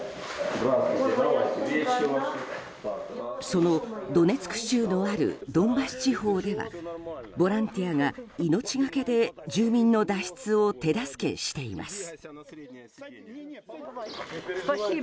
そのドネツク州のあるドンバス地方ではボランティアが命懸けで住民の脱出を手助けしています。